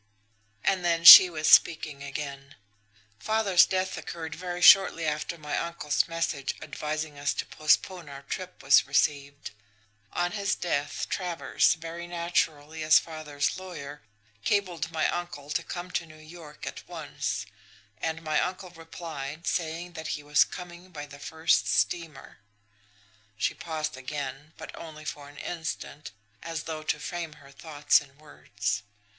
And then she was speaking again: "Father's death occurred very shortly after my uncle's message advising us to postpone our trip was received. On his death, Travers, very naturally, as father's lawyer, cabled my uncle to come to New York at once; and my uncle replied, saying that he was coming by the first steamer." She paused again but only for an instant, as though to frame her thoughts in words.